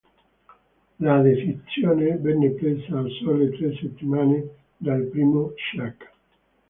La decisione venne presa a sole tre settimane dal primo ciak.